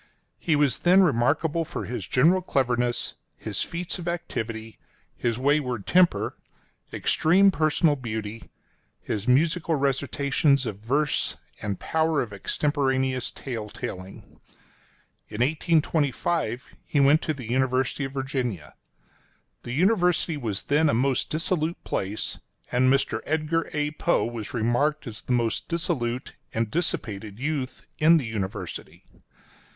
He was then remarkable for his general cleverness, his feats of activity, his wayward temper, extreme personal beauty, his musical recitations of verse, and power of extemporaneous tale telling. In 1825 he went to the University of Virginia. The University was then a most dissolute place, and Mr. Edgar A. Poe was remarked as the most dissolute and dissipated youth in the University.